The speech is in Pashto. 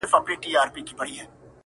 څوک چي ستا په قلمرو کي کړي ښکارونه!.